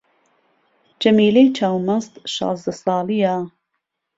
جەمیلەی چاو مەست شازدە ساڵی یە